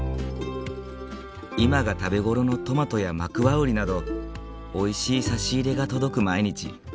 今が食べ頃のトマトやマクワウリなどおいしい差し入れが届く毎日。